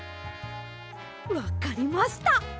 わかりました！